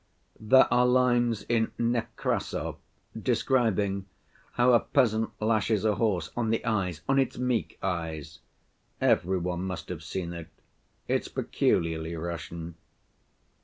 There are lines in Nekrassov describing how a peasant lashes a horse on the eyes, 'on its meek eyes,' every one must have seen it. It's peculiarly Russian.